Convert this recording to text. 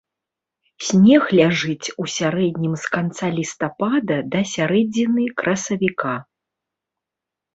Снег ляжыць у сярэднім з канца лістапада да сярэдзіны красавіка.